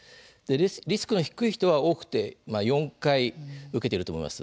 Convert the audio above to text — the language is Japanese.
リスクの低い人は多くて４回、受けていると思います。